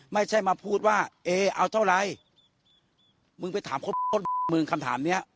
ไม่ใช่มาพูดว่าเอเอาเท่าไรมึงไปถามครบต้นมึงคำถามเนี้ย